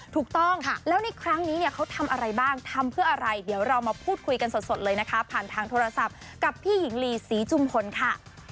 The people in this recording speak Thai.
ถูกต้องแล้วในครั้งนี้เนี่ยเขาทำอะไรบ้างทำเพื่ออะไรเดี๋ยวเรามาพูดคุยกันสดเลยนะคะผ่านทางโทรศัพท์กับพี่หญิงลีศรีจุมพลค่ะ